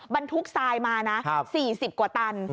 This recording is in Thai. บรรทุกทรายมานะ๔๐กว่าตัน